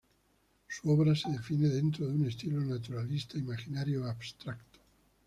Su obra se define dentro de un estilo naturalista imaginario abstracto.